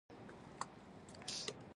له جهانه هسې زنګ دی چې یاران تللي دي.